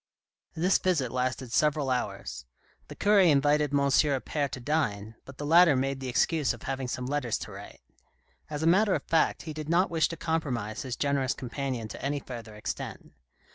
This visit lasted several hours ; the cure invited M. Appert to dine, but the latter made the excuse of having some letters io THE RED AND THE BLACK to write ; as a matter of fact, he did not wish to compromise his generous companion to any further extent.